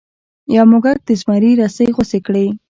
یو موږک د زمري رسۍ غوڅې کړې.